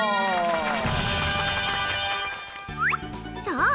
そう！